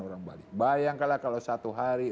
orang bali bayangkanlah kalau satu hari